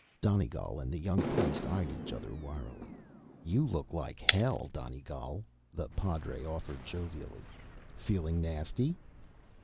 Donegal and the young priest eyed each other warily. "You look like hell, Donegal," the padre offered jovially. "Feeling nasty?"